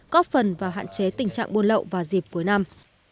góp phần và hạn chế tình trạng buôn lậu vào dịp cuối năm